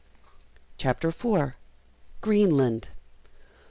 CHAPTER IV. GREENLAND.